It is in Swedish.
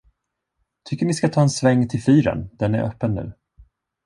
Tycker ni ska ta en sväng till fyren, den är öppen nu.